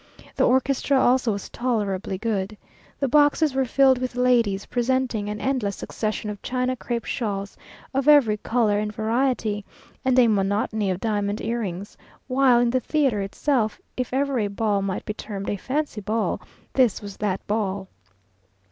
The orchestra also was tolerably good. The boxes were filled with ladies, presenting an endless succession of China crape shawls of every colour and variety, and a monotony of diamond earrings; while in the theatre itself, if ever a ball might be termed a fancy ball, this was that ball.